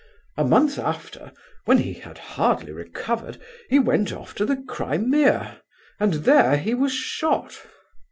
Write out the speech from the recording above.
A month after, when he had hardly recovered, he went off to the Crimea, and there he was shot.